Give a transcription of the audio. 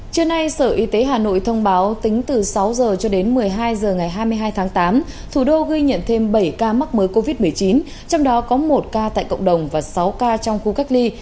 trưa nay sở y tế hà nội thông báo tính từ sáu h cho đến một mươi hai h ngày hai mươi hai tháng tám thủ đô ghi nhận thêm bảy ca mắc mới covid một mươi chín trong đó có một ca tại cộng đồng và sáu ca trong khu cách ly